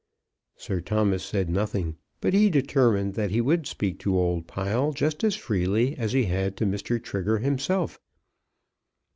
Sir Thomas said nothing, but he determined that he would speak to old Pile just as freely as he had to Mr. Trigger himself.